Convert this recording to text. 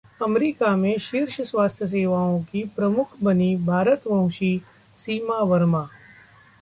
America में शीर्ष स्वास्थ्य सेवाओं की प्रमुख बनीं भारतवंशी सीमा वर्मा